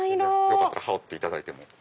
よかったら羽織っていただいて。